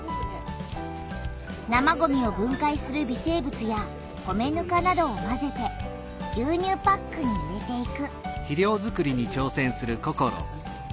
生ごみを分かいする微生物や米ぬかなどをまぜて牛乳パックに入れていく。